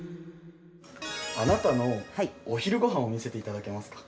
あなたのお昼ごはんを見せていただけますか？